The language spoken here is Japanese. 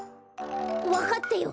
わかったよ！